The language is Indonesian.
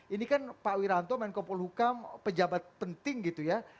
ini kan pak wiranto main kumpul hukum pejabat penting gitu ya